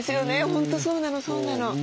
本当そうなのそうなの。